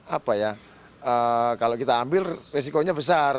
apa ya kalau kita ambil resikonya besar